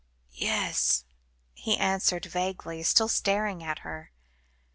"Yes," he answered vaguely, still staring at her.